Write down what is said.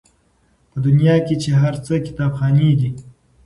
په دنیا کي چي هر څه کتابخانې دي